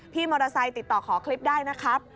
พี่มอเตอร์ไซค์ติดต่อขอคลิปได้นะครับ